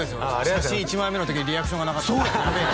写真１枚目の時リアクションがなかったそうや！